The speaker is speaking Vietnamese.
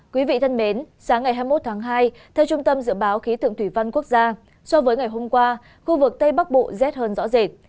quý vị thân mến sáng ngày hai mươi một tháng hai theo trung tâm dự báo khí tượng thủy văn quốc gia so với ngày hôm qua khu vực tây bắc bộ rét hơn rõ rệt